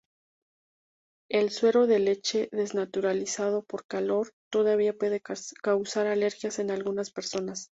El suero de leche desnaturalizado por calor todavía puede causar alergias en algunas personas.